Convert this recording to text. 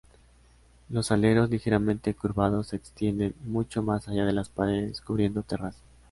Los aleros ligeramente curvados se extienden mucho más allá de las paredes, cubriendo terrazas.